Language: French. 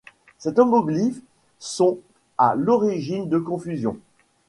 Ces homoglyphes sont à l'origine de confusions.